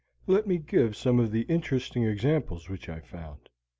Let me give some of the interesting examples which I found.